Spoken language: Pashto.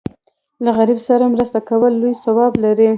له غریب سره مرسته کول لوی ثواب لري.